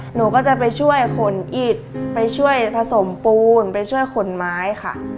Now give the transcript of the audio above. หนูก็จะไปช่วยขนอิดไปช่วยผสมปูนไปช่วยขนไม้ค่ะ